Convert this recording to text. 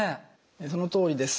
そのとおりです。